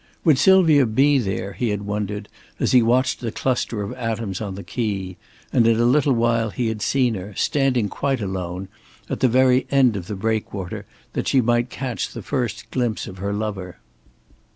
Would Sylvia be there, he had wondered, as he watched the cluster of atoms on the quay, and in a little while he had seen her, standing quite alone, at the very end of the breakwater that she might catch the first glimpse of her lover.